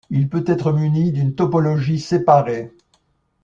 Il peut être muni d'une topologie séparée.